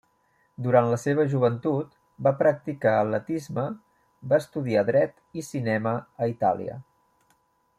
Durant la seva joventut va practicar atletisme, va estudiar Dret i cinema a Itàlia.